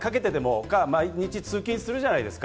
都心に１時間かけてでも毎日通勤するじゃないですか。